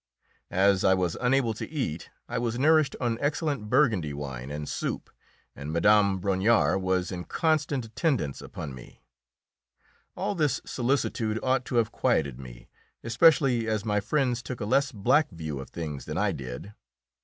As I was unable to eat, I was nourished on excellent Burgundy wine and soup, and Mme. Brongniart was in constant attendance upon me. All this solicitude ought to have quieted me, especially as my friends took a less black view of things than I did.